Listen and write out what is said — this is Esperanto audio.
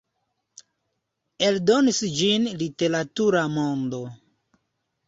Eldonis ĝin Literatura Mondo.